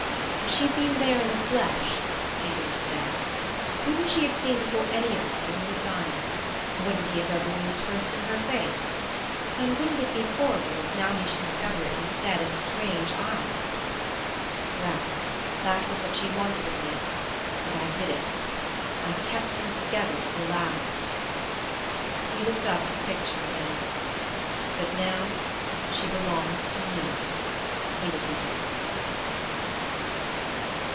If she'd been there in the flesh (she seemed to say) wouldn't she have seen before any of us that he was dying? Wouldn't he have read the news first in her face? And wouldn't it be horrible if now he should discover it instead in strange eyes? Well that was what she wanted of me and I did it I kept them together to the last!" He looked up at the picture again. "But now she belongs to me," he repeated....